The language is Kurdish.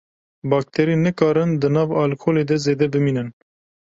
Bakterî nikarin di nav alkolê de zêde bimînin.